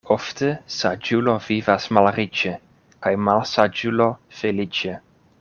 Ofte saĝulo vivas malriĉe kaj malsaĝulo feliĉe.